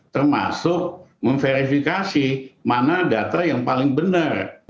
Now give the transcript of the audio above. termasuk memverifikasi mana data yang paling benar